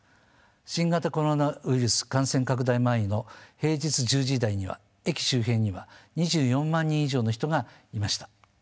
新型コロナウイルス感染拡大前の平日１０時台には駅周辺には２４万人以上の人がいました。